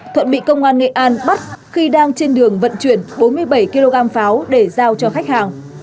thuận bị công an nghệ an bắt khi đang trên đường vận chuyển bốn mươi bảy kg pháo để giao cho khách hàng